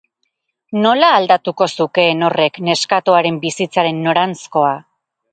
Nola aldatuko zukeen horrek neskatoaren bizitzaren noranzkoa?